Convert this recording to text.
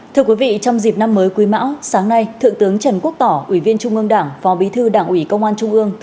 thưa quý vị trong dịp năm mới quý mão sáng nay thượng tướng trần quốc tỏ ủy viên trung ương đảng phó bí thư đảng ủy công an trung ương